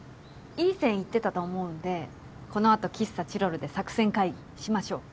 いい線いってたと思うんでこのあと喫茶チロルで作戦会議しましょう。